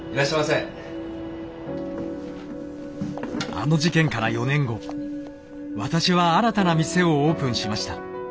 あの事件から４年後私は新たな店をオープンしました。